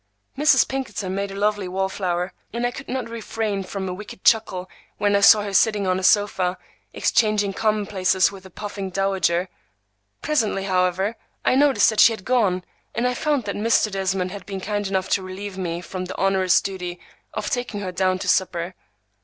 Mrs. Pinkerton made a lovely wall flower, and I could not refrain from a wicked chuckle when I saw her sitting on a sofa, exchanging commonplaces with a puffing dowager. Presently, however, I noticed that she had gone, and I found that Mr. Desmond had been kind enough to relieve me from the onerous duty of taking her down to supper.